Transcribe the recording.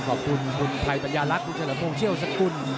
ขอบคุณคุณภัยปัญญารักษ์อุจจรภงเชี่ยวสกุล